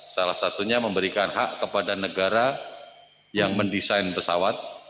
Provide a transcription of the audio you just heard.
salah satunya memberikan hak kepada negara yang mendesain pesawat